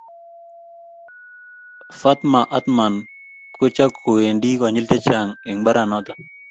Fatma Athman ko cha kowendii konyill chechang eng mbaranato.